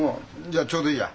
じゃあちょうどいいや。